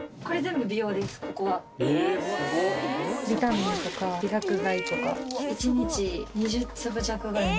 ビタミンとか美白剤とか１日２０粒弱ぐらい飲んでます。